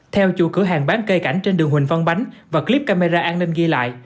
theo chủ cửa hàng bán cây cảnh trên đường huỳnh văn bánh và clip camera an ninh ghi lại